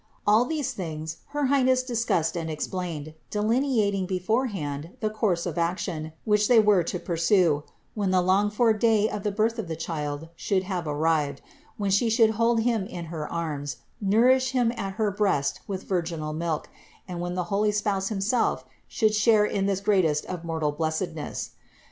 All these things her Highness discussed and explained, delineating beforehand the course of action, which they were to pursue, when the longed for day of the birth of the Child should have arrived, when She should hold Him in her arms, nourish Him at her breast with virginal milk, and when the holy spouse himself should share in this greatest of mortal blessedness.